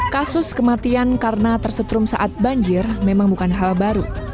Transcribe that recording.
kasus kematian karena tersetrum saat banjir memang bukan hal baru